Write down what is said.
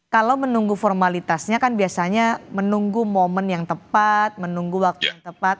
kalau menunggu formalitasnya kan biasanya menunggu momen yang tepat menunggu waktu yang tepat